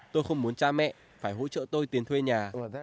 tôi không muốn cha mẹ phải hỗ trợ tôi tiền thuê nhà